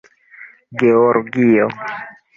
georgio